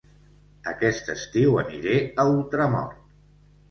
Aquest estiu aniré a Ultramort